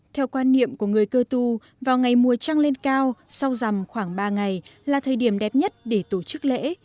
theo quan niệm của người cơ tu vào ngày mùa trăng lên cao sau dằm khoảng ba ngày là thời điểm đẹp nhất để tổ chức lễ